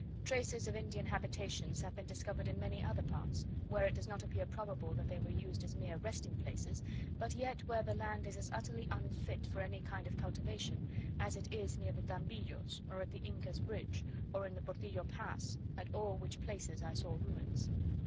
Traces of Indian habitations have been discovered in many other parts, where it does not appear probable that they were used as mere resting places, but yet where the land is as utterly unfit for any kind of cultivation, as it is near the Tambillos or at the Incas Bridge, or in the Portillo Pass, at all which places I saw ruins.